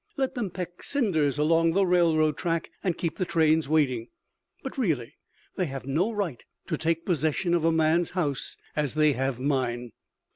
Let them peck cinders along the railroad track and keep the trains waiting. But really they have no right to take possession of a man's house as they have mine.